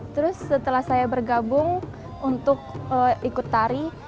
terus setelah saya bergabung untuk ikut tari